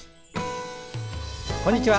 こんにちは。